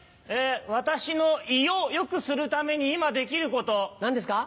私の胃を良くするために今できること。何ですか？